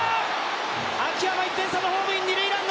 秋山、１点差のホームイン！